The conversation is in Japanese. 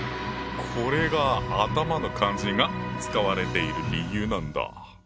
これが「頭」の漢字が使われている理由なんだ。